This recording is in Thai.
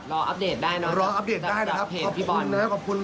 รออัพเดทได้นะครับรออัพเดทได้นะครับขอบคุณนะครับขอบคุณ